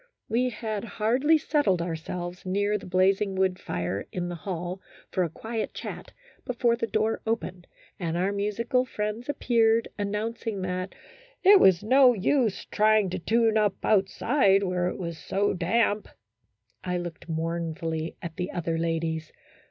We had hardly settled ourselves near the blazing 212 THE HISTORY OF A HAPPY THOUGHT. wood fire in the hall for a quiet chat before the door opened, and our musical friends appeared, an nouncing that " it was no use trying to tune up out side where it was so damp." I looked mournfully at the other ladies.